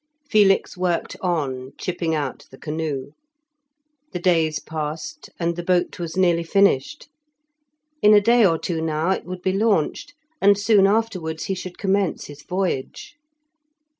Felix worked on, chipping out the canoe. The days passed, and the boat was nearly finished. In a day or two now it would be launched, and soon afterwards he should commence his voyage.